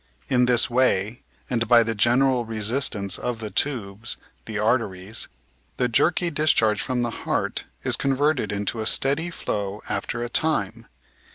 In this way, and by the general resistance of the tubes (the arteries), the jerky discharge from the heart is converted into a steady flow after a time.